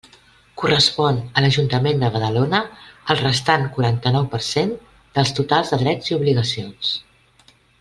Correspon a l'Ajuntament de Badalona el restant quaranta-nou per cent dels totals de drets i obligacions.